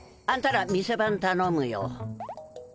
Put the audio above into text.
あんたら店番たのむよ。